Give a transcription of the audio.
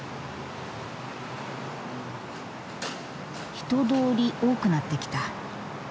人通り多くなってきた。